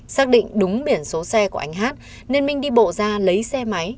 xác định đúng biển số xe của anh hát nên minh đi bộ ra lấy xe máy